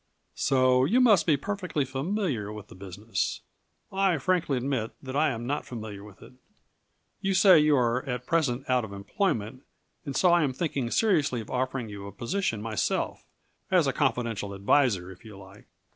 "So you must be perfectly familiar with the business. I frankly admit that I am not familiar with it. You say you are at present out of employment and so I am thinking seriously of offering you a position myself, as confidential adviser if you like.